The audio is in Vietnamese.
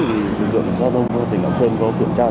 thì lực lượng giao thông của tỉnh hạng sơn có kiểm tra gì đó